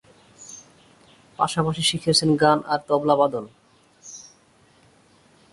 পাশাপাশি শিখেছেন গান আর তবলাবাদন।